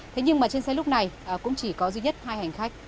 thế nhưng mà trên xe lúc này cũng chỉ có duy nhất hai hành khách